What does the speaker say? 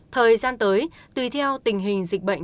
thời gian tới tùy theo tình hình dịch bệnh